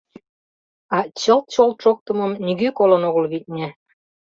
А чылт-чолт шоктымым нигӧ колын огыл, витне.